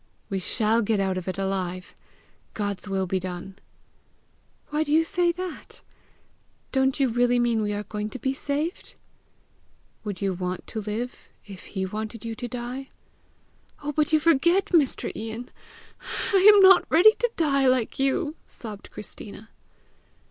"We shall get out of it alive! God's will be done!" "Why do you say that? Don't you really mean we are going to be saved?" "Would you want to live, if he wanted you to die?" "Oh, but you forget, Mr. Ian, I am not ready to die, like you!" sobbed Christina.